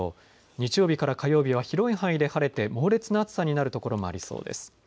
日曜日から火曜日は広い範囲で晴れて猛烈な暑さになる所もありそうです。